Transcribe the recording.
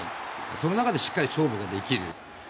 その中でしっかり勝負ができる。